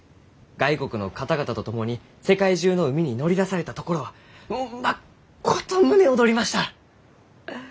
外国の方々と共に世界中の海に乗り出されたところはまっこと胸躍りました！